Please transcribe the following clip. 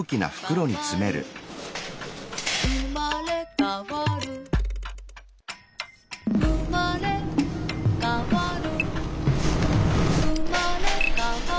「うまれかわるうまれかわる」